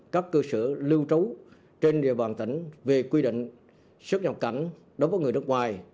các cơ sở lưu trú trên địa bàn tỉnh về quy định xuất nhập cảnh đối với người nước ngoài